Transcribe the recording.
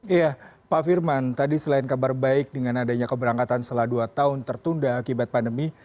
iya pak firman tadi selain kabar baik dengan adanya keberangkatan setelah dua tahun tertunda akibat pandemi